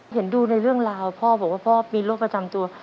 เห็นดูในเรื่องราวพ่อบอกว่าพ่อมีโรคประจำตัว